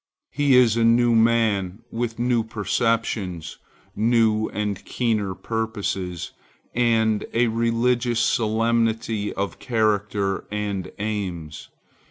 He is a new man, with new perceptions, new and keener purposes, and a religious solemnity of character and aims.